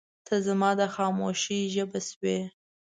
• ته زما د خاموشۍ ژبه شوې.